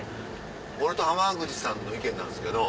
俺と濱口さんの意見なんですけど。